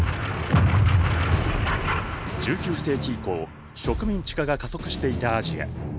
１９世紀以降植民地化が加速していたアジア。